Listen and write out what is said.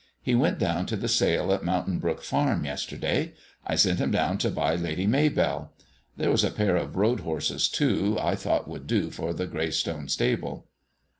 He went down to the sale at Mountain Brook Farm yesterday. I sent him down to buy Lady Maybell. There was a pair of road horses, too, I thought would do for the Graystone stable."